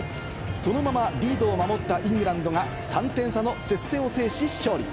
そのままリードを守ったイングランドが３点差の接戦を制し、勝利。